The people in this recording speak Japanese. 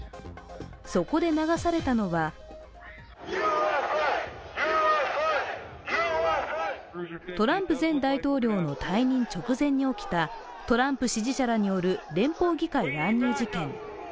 そこで流されたのはトランプ前大統領の退任直前に起きたトランプ支持者らによる連邦議会乱入事件。